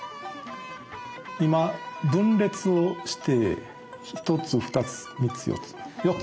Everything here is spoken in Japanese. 今分裂をして１つ２つ３つ４つ。